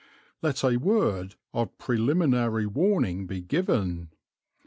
Let a word of preliminary warning be given.